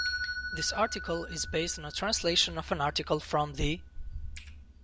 "This article is based on a translation of an article from the "